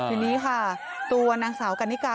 ทีนี้ค่ะตัวนางสาวกันนิกา